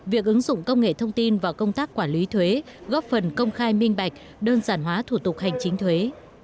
việc ứng dụng công nghệ thông tin vào công tác quản lý thuế góp phần công khai minh bạch đơn giản hóa thủ tục hành chính thuế